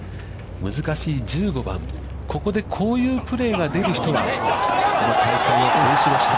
難しい１５番、ここでこういうプレーが出る人が、この大会を制しました。